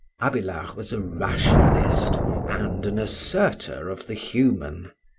Abélard was a rationalist and an asserter of the human.